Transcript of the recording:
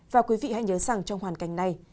và quý vị hãy nhớ rằng trong hoàn cảnh này